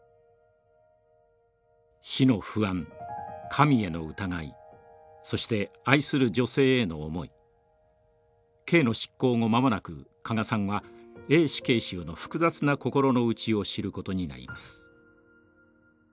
死の不安神への疑いそして愛する女性への思い刑の執行後間もなく加賀さんはＡ死刑囚の複雑なこころの内を知ることになります。